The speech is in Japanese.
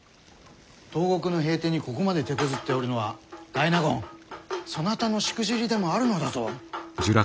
東国の平定にここまでてこずっておるのは大納言そなたのしくじりでもあるのだぞ！